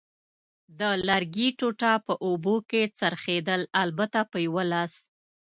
د لرګي ټوټه په اوبو کې څرخېدل، البته په یوه لاس.